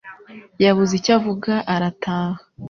Yabuze icyo avuga arataha.